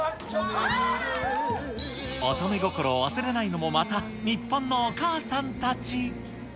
乙女心を忘れないのもまた、日本のお母さんたち。